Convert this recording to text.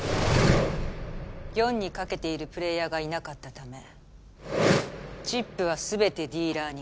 ４に賭けているプレーヤーがいなかったためチップは全てディーラーに。